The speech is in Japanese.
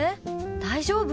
大丈夫？